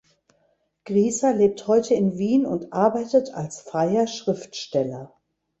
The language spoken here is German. Griesser lebt heute in Wien und arbeitet als freier Schriftsteller.